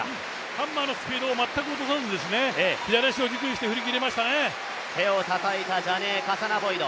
ハンマーのスピードを全く落とさず、左足を軸にして手をたたいたジャネー・カサナボイド。